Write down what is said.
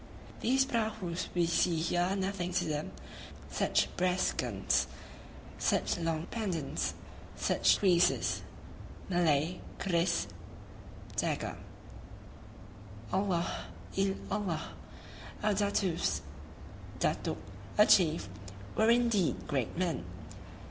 These prahus we see here are nothing to them, such brass guns, such long pendants, such creeses [Malay kris, dagger]! Allah il Allah! Our Datoos [datuk, a chief] were indeed great men!